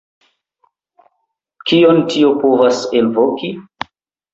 Kion tio povas elvoki?